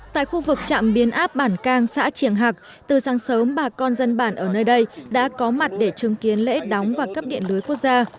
tại khu vực trạm biến áp bản cang xã triềng hạc từ sáng sớm bà con dân bản ở nơi đây đã có mặt để chứng kiến lễ đóng và cấp điện lưới quốc gia